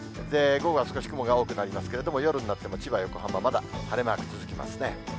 午後は少し雲が多くなりますけれども、夜になっても千葉、横浜、まだ晴れマーク続きますね。